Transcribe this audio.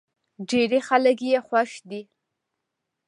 ډېری خلک يې خوښ دی.